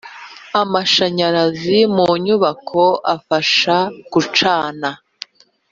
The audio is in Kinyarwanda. amashanyarazi mu nyubako afasha gucana.